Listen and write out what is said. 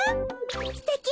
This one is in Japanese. すてき！